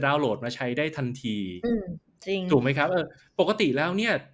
โหลดมาใช้ได้ทันทีอืมจริงถูกไหมครับเออปกติแล้วเนี้ย